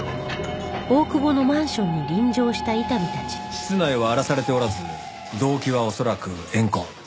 室内は荒らされておらず動機は恐らく怨恨。